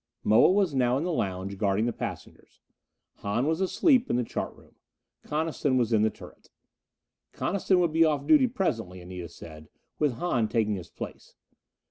Moa was now in the lounge, guarding the passengers. Hahn was asleep in the chart room; Coniston was in the turret. Coniston would be off duty presently, Anita said, with Hahn taking his place.